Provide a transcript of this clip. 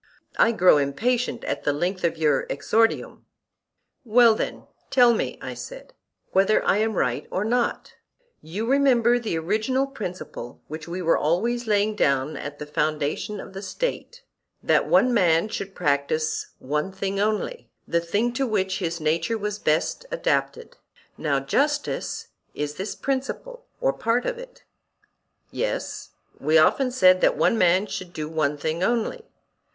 I grow impatient at the length of your exordium. Well then, tell me, I said, whether I am right or not: You remember the original principle which we were always laying down at the foundation of the State, that one man should practise one thing only, the thing to which his nature was best adapted;—now justice is this principle or a part of it. Yes, we often said that one man should do one thing only.